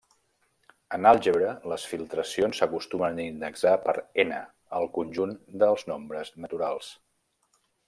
En àlgebra, les filtracions s'acostumen a indexar per ℕ, el conjunt dels nombres naturals.